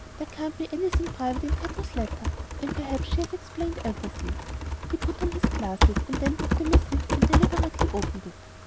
"There can't be anything private in Tato's letter, and perhaps she has explained everything." He put on his glasses and then took the missive and deliberately opened it.